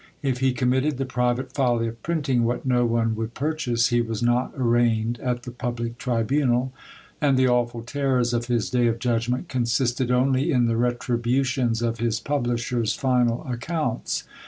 If he committed the private folly of printing what no one would purchase, he was not arraigned at the public tribunal and the awful terrors of his day of judgment consisted only in the retributions of his publisher's final accounts.